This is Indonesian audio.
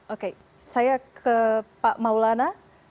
oke saya ke pak maulana